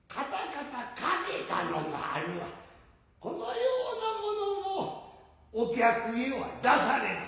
このようなものをお客へは出されまい。